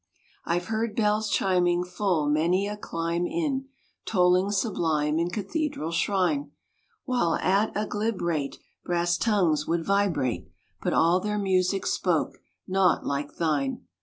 I've heard bells chiming full many a clime in, Tolling sublime in cathedral shrine; While at a glib rate brass tongues would vibrate; But all their music spoke naught like thine.